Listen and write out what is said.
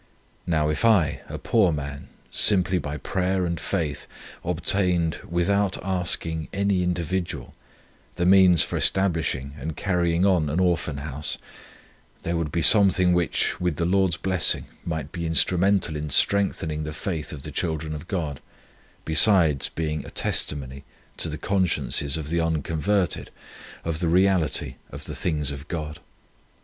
Now, if I, a poor man, simply by prayer and faith, obtained without asking any individual, the means for establishing and carrying on an Orphan House, there would be something which, with the Lord's blessing, might be instrumental in strengthening the faith of the children of God, besides being a testimony to the consciences of the unconverted, of the reality of the things of God.